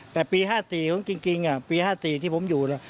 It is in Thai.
แต่ปี๕๔ของจริงปี๕๔ที่ผมอยู่